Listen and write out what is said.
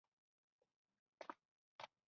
څوک چې خپل کار سره مینه لري، کامیابي ترلاسه کوي.